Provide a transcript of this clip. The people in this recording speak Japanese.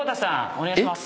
お願いします。